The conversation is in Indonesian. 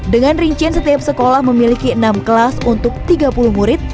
dengan rincian setiap sekolah memiliki enam kelas untuk tiga puluh murid